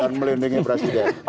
dan melindungi presiden